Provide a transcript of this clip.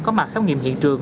có mặt khám nghiệm hiện trường